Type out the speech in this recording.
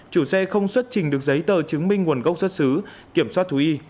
chủ xe không xuất trình được giấy tờ chứng minh nguồn gốc xuất xứ kiểm soát thú y